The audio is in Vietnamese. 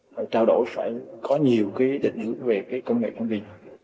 phải trao đổi phải có nhiều cái định ứng về cái công nghệ công ty